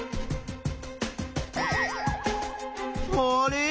あれ？